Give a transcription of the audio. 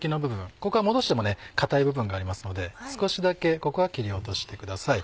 ここは戻しても硬い部分がありますので少しだけここは切り落としてください。